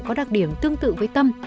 có đặc điểm tương tự với tâm